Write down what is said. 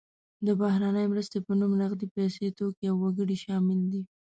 د بهرنۍ مرستې په نوم نغدې پیسې، توکي او وګړي شامل دي.